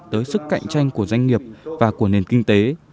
tới sức cạnh tranh của doanh nghiệp và của nền kinh tế